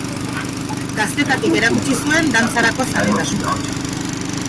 Gaztetatik erakutsi zuen dantzarako zaletasuna.